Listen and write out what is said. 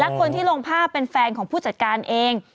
คนที่ลงภาพเป็นแฟนของผู้จัดการเอง